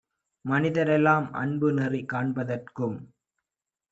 மனிதரெலாம் அன்புநெறி காண்ப தற்கும்